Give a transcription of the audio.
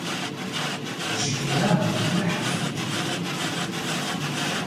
Ji keleman pir hez dike.